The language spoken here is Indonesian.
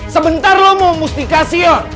sebentar lo mau mustikasion